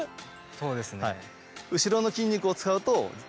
そうですね。